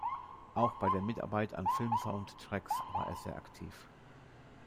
Auch bei der Mitarbeit an Filmsoundtracks war er sehr aktiv.